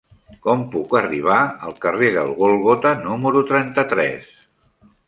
Com puc arribar al carrer del Gòlgota número trenta-tres?